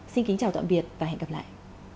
xin kính chào tạm biệt và hẹn gặp lại